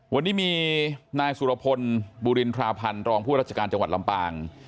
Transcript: วันนี้มีนายสุรพลบุรินทราพันธ์รองผู้ราชการจังหวัดลำปาง